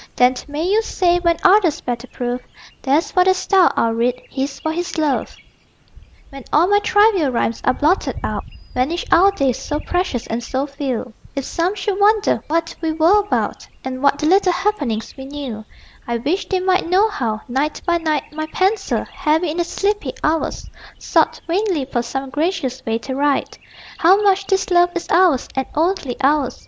Then may you say, when others better prove: "Theirs for their style I'll read, his for his love." TO THE ONLY BEGETTER II When all my trivial rhymes are blotted out, Vanished our days, so precious and so few, If some should wonder what we were about And what the little happenings we knew: I wish that they might know how, night by night, My pencil, heavy in the sleepy hours, Sought vainly for some gracious way to write How much this love is ours, and only ours.